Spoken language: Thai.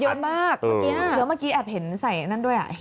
เยอะมากเดี๋ยวเมื่อกี้แอบเห็นใส่อันนั้นด้วย